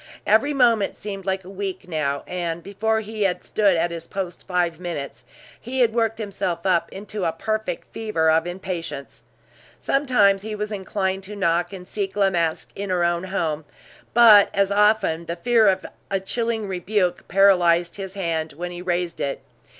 Every moment seemed like a week now; and before he had stood at his post five minutes, he had worked himself up into a perfect fever of impatience. Sometimes he was inclined to knock and seek La Masque in her own home; but as often the fear of a chilling rebuke paralyzed his hand when he raised it.